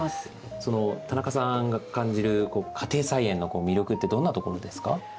田中さんが感じる家庭菜園の魅力ってどんなところですか？